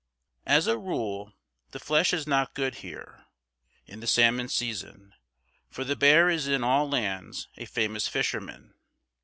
As a rule, the flesh is not good, here, in the salmon season, for the bear is in all lands a famous fisherman.